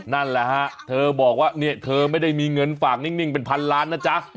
นั่นแหละฮะเธอบอกว่าเนี่ยเธอไม่ได้มีเงินฝากนิ่งเป็นพันล้านนะจ๊ะ